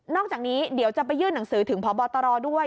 อกจากนี้เดี๋ยวจะไปยื่นหนังสือถึงพบตรด้วย